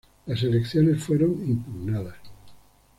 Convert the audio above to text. Las elecciones fueron impugnadas.